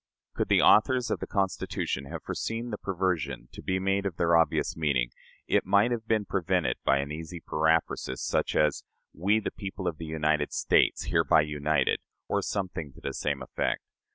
Could the authors of the Constitution have foreseen the perversion to be made of their obvious meaning, it might have been prevented by an easy periphrasis such as, "We, the people of the States hereby united," or something to the same effect.